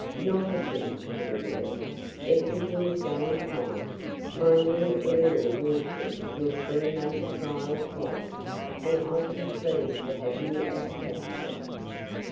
"Not a thing, little girl. Everything is going fine. My new aerial warship will soon make a trial flight, and I'd be pleased to have you as a passenger."